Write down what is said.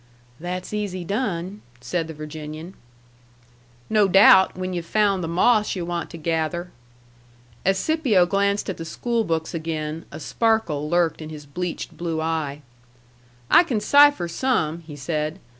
"That's easy done," said the Virginian. "No doubt, when yu've found the moss yu' want to gather." As Scipio glanced at the school books again, a sparkle lurked in his bleached blue eye. "I can cipher some," he said.